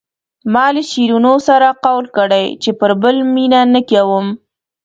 ما له شیرینو سره قول کړی چې پر بل مینه نه کوم.